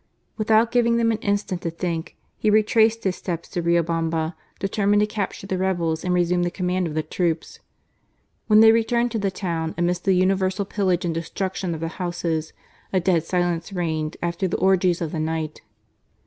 Without giving them an instant to think, he retraced his steps to Riobamba determined to capture the rebels and resume the command of the troops. When they returned to the town amidst the universal pillage and destruction of the houses, a dead silence reigned after the orgies of the night.